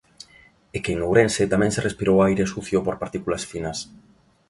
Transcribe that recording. E que en Ourense tamén se respirou aire sucio por partículas finas.